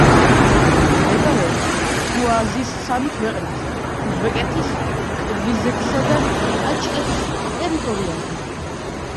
მდებარეობს შუა აზიის სამი ქვეყნის: უზბეკეთის, ყირგიზეთისა და ტაჯიკეთის ტერიტორიაზე.